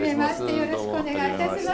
よろしくお願いします。